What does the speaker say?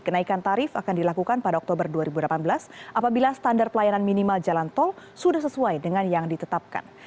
kenaikan tarif akan dilakukan pada oktober dua ribu delapan belas apabila standar pelayanan minimal jalan tol sudah sesuai dengan yang ditetapkan